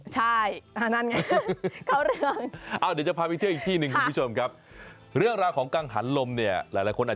ใช่ค่ะนั่นแหงเขาเรียว